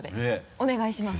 お願いします。